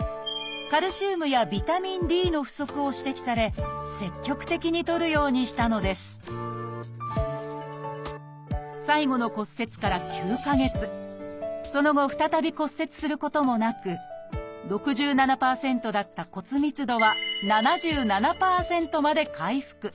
カルシウムやビタミンＤの不足を指摘され積極的にとるようにしたのです最後の骨折から９か月その後再び骨折することもなく６７％だった骨密度は７７％まで回復。